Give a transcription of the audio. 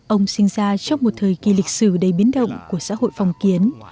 ông sinh ra trong một thời kỳ lịch sử đầy biến động của xã hội phòng kiến